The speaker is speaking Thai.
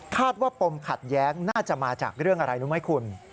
ว่าปมขัดแย้งน่าจะมาจากเรื่องอะไรรู้ไหมคุณ